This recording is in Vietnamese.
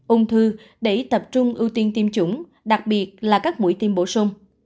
ung thư để tập trung ưu tiên tiêm chủng đặc biệt là các mũi tiêm bổ sung